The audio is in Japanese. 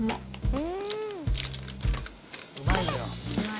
うまいよな。